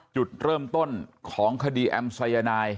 จุดเริ่มต้นของคดีแอมสายนาย